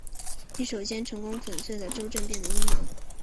你首先成功粉碎了周政变的阴谋。